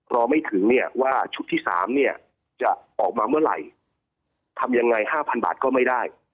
รอไม่ถึงว่าชุดที่๓จะออกมาเมื่อไหร่ทำอย่างไร๕๐๐๐บาทก็ไม่ได้